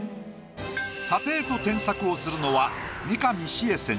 査定と添削をするのは。